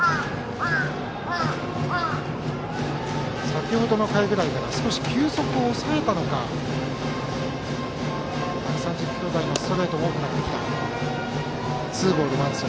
先程の回ぐらいから球速を抑えたのか１３０キロ台のストレートが多くなってきた。